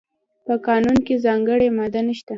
په قانون کې ځانګړې ماده نشته.